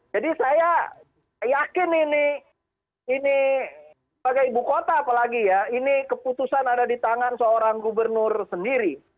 jadi saya yakin ini ini sebagai ibu kota apalagi ya ini keputusan ada di tangan seorang gubernur sendiri